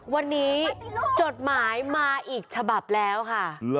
วันนี้จดหมายมาอีกฉบับแล้วค่ะ